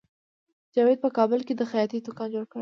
جاوید په کابل کې د خیاطۍ دکان جوړ کړ